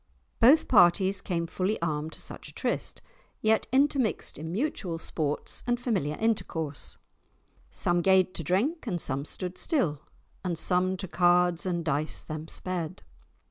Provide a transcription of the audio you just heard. Both parties came fully armed to such a tryst, yet intermixed in mutual sports and familiar intercourse, "Some gaed to drink, and some stood still, And some to cards and dice them sped."